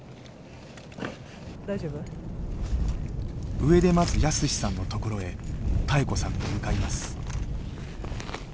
上で待つ泰史さんの所へ妙子さんが向かいます。